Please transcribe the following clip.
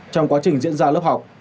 trong quá trình diễn ra lớp học